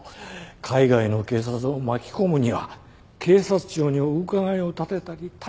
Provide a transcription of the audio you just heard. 海外の警察を巻き込むには警察庁にお伺いを立てたり大変なんだよ。